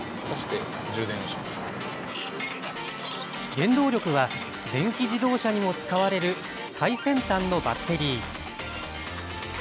原動力は電気自動車にも使われる最先端のバッテリー。